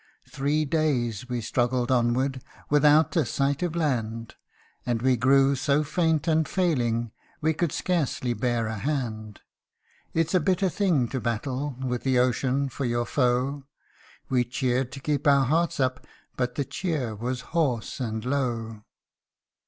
Three days we struggled onward, Without a sight of land ; And we grew so faint and failing, We could scarcely bear a hand. It's a bitter thing to battle With the ocean for your foe : We cheered to keep our hearts up, But the cheer was hoarse and low.